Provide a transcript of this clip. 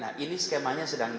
nah ini skemanya sedang